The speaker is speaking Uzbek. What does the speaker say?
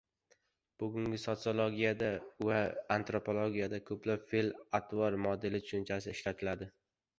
Bugungi sotsiologiyada va antropologiyada koʻproq “feʼl-atvor modeli” tushunchasi ishlatiladi.